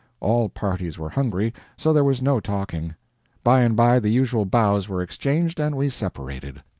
All parties were hungry, so there was no talking. By and by the usual bows were exchanged, and we separated.